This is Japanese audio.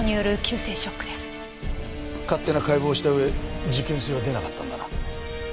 勝手な解剖をした上事件性は出なかったんだな？